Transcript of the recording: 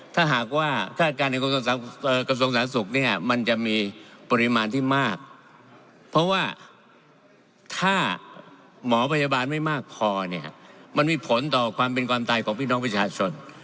ถ้าหากว่าคาดการณ์ในกระทรวงสาธารณสุขเนี่ยมันจะมีปริมาณที่มากเพราะว่าถ้าหมอพยาบาลไม่มากพอเนี่ยมันมีผลต่อความเป็นความตายของพี่น้องประชาชน